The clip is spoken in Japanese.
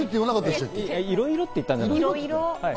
「いろいろ」って言ったんですよね。